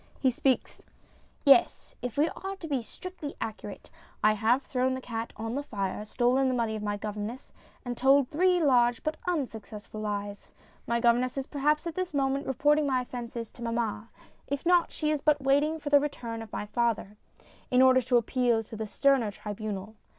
He speaks : YES, if we are to be strictly accurate, I have thrown the cat on the fire, stolen the money of my governess, and told three large but unsuccessful lies. My governess is perhaps at this moment MINIATURES 267 reporting my offences to mamma. If not, she is but waiting for the return of my father, in order to appeal to the sterner tribunal.